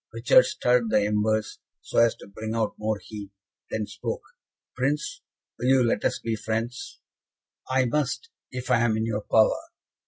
Richard stirred the embers, so as to bring out more heat, then spoke: "Prince, will you let us be friends?" "I must, if I am in your power."